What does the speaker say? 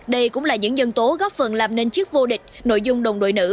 đây cũng là những dân tố góp phần làm nên chiếc vô địch nội dung đồng đội nữ